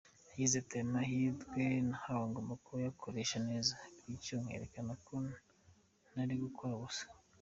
Yagize ati “Aya mahirwe nahawe ngomba kuyakoresha neza bityo nkerekana ko ntari gukora ubusa.